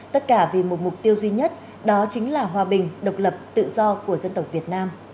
tất cả vì một mục tiêu duy nhất đó chính là hòa bình độc lập tự do của dân tộc việt nam